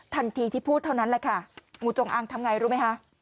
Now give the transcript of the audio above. ทันทีที่พูดเท่านั้นแหละค่ะงูจงอางทำไงรู้ไหมคะ